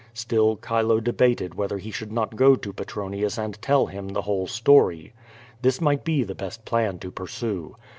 Still Chilo debated whether he should not go to Pe tronius and tell him the whole story. This might be the best plan to pursue.